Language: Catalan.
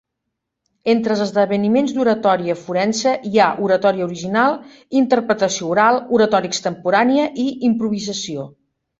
Entre els esdeveniments d'oratòria forense hi ha Oratòria original, Interpretació oral, Oratòria extemporània i Improvisació.